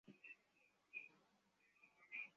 আচ্ছা, তুমি ঘুমাতে যাও।